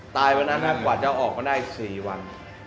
วันนั้นกว่าจะออกมาได้๔วัน